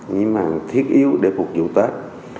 nhưng mà thiết yếu để phục vụ tết